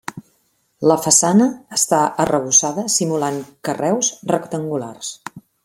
La façana està arrebossada simulant carreus rectangulars.